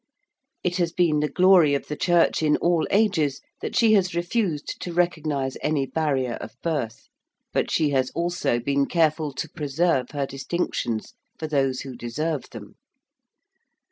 It has been the glory of the Church in all ages that she has refused to recognise any barrier of birth: but she has also been careful to preserve her distinctions for those who deserve them.